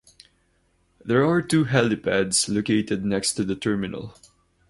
There are two helipads located next to the terminal.